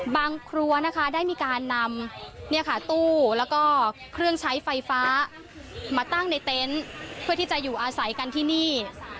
ครัวนะคะได้มีการนำตู้แล้วก็เครื่องใช้ไฟฟ้ามาตั้งในเต็นต์เพื่อที่จะอยู่อาศัยกันที่นี่